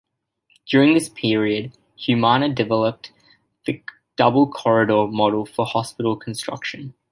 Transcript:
During this period, Humana developed the double corridor model for hospital construction.